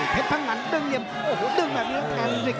เผ็ดทั้งหลังดึงเหยียมโอ้โหดึงแบบนี้แล้วกัน